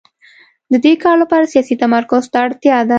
د دې کار لپاره سیاسي تمرکز ته اړتیا ده.